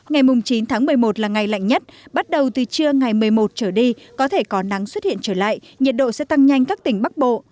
ngày chín tháng một mươi một là ngày lạnh nhất bắt đầu từ trưa ngày một mươi một trở đi có thể có nắng xuất hiện trở lại nhiệt độ sẽ tăng nhanh các tỉnh bắc bộ